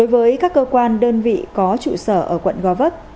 với các cơ quan đơn vị có trụ sở ở quận gò vấp